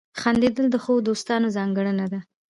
• خندېدل د ښو دوستانو ځانګړنه ده.